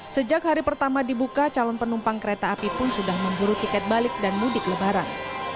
sejak hari pertama dibuka calon penumpang kereta api pun sudah memburu tiket balik dan mudik lebaran